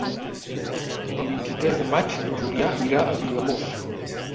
El vint-i-tres de maig en Julià irà a Vilamòs.